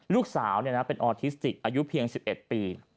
ลูกสาวเป็นออทิสติกอายุเพียง๑๑ปี